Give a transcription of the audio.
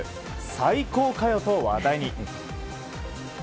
最高かよ！と話題に。